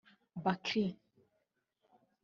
Bakri